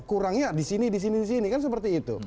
kurangnya di sini di sini di sini kan seperti itu